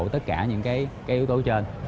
tất cả những yếu tố trên